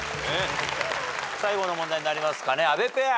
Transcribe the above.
最後の問題になりますかね阿部ペア。